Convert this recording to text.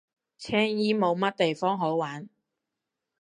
青衣冇乜地方好玩